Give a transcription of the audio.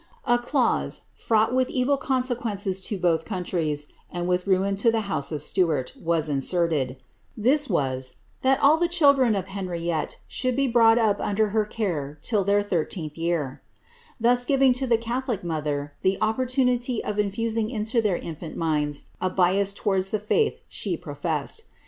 A clause, fraught with evil conse quences to both countries, and with ruin to the house of Stuart, was inserted ; this was, ^ that all the children of Henriette should be brought up under her care till their thirteenth year ;'' thus giving to the catholic mother the opportunity of infusing into their infant minds a bias to wards the laith she professed.